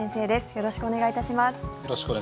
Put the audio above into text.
よろしくお願いします。